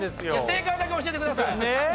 正解だけ教えてください。